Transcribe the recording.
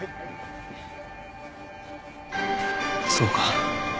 そうか。